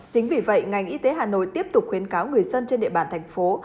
chính vì vậy ngành y tế hà nội tiếp tục khuyến cáo người dân trên địa bàn thành phố